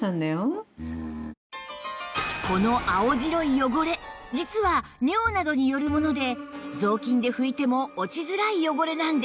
この青白い汚れ実は尿などによるもので雑巾で拭いても落ちづらい汚れなんです